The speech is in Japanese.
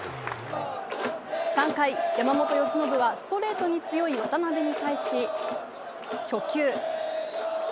３回、山本由伸はストレートに強い渡邉に対し初球。